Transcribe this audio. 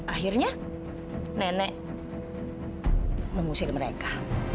akhirnya nenek mengusir mereka